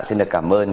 xin cảm ơn